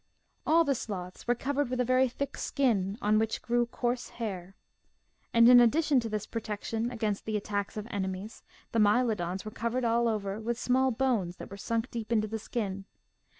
All the sloths were covered with a very thick skin, on which grew coarse hair. And in addition 138 MIGHTY ANIMALS to this protection against the attacks of enemies the Mylodons were covered all over with small bones that were sunk deep into the skin.